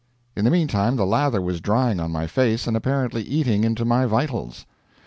In the mean time the lather was drying on my face, and apparently eating into my vitals.